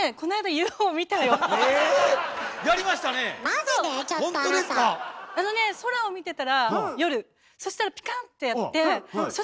ほんとですか⁉空を見てたら夜そしたらピカン！ってやってそ